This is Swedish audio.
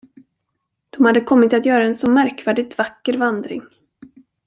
De hade kommit att göra en så märkvärdigt vacker vandring.